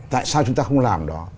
tại sao chúng ta không làm đó